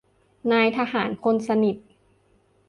นายทหารคนสนิท